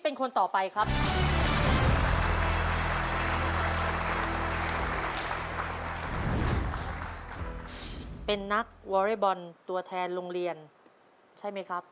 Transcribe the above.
เป็นนักวอเรย์บอลตัวแทนโรงเรียนใช่ไหมครับ